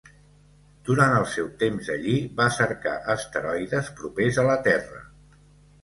Durant el seu temps allí, va cercar asteroides propers a la Terra.